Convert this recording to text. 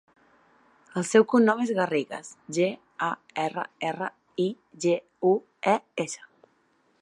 El seu cognom és Garrigues: ge, a, erra, erra, i, ge, u, e, essa.